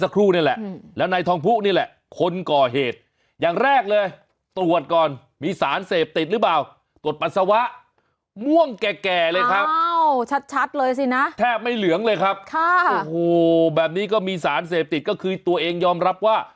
ก็คือตัวเองยอมรับว่า